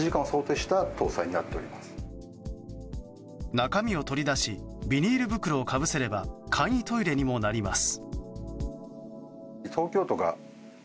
中身を取り出しビニール袋をかぶせれば簡易トイレにもなります。